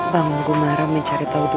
bang gumara mencari tahu dulu